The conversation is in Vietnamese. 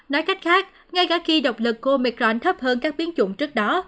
nói cách khác ngay cả khi độc lực của omicron thấp hơn các biến chủng trước đó